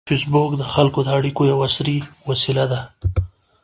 فېسبوک د خلکو د اړیکو یوه عصري وسیله ده